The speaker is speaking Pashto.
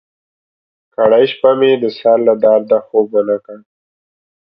کرۍ شپه مې د سر له درده خوب ونه کړ.